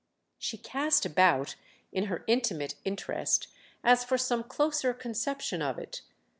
She cast about, in her intimate interest, as for some closer conception of it.